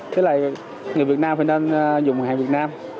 với lại người việt nam phải nên dùng hàng việt nam